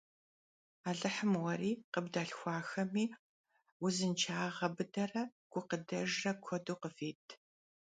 Alıhım vueri kıbdalxuaxemi vuzınşşage bıdere gukıdejjre kuedu kıvit!